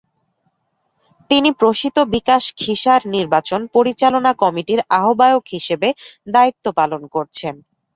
তিনি প্রসিত বিকাশ খীসার নির্বাচন পরিচালনা কমিটির আহ্বায়ক হিসেবে দায়িত্ব পালন করছেন।